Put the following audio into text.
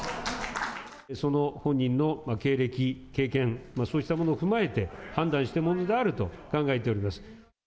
その本人の経歴、経験、そういったものを踏まえて、判断したものであると考えております。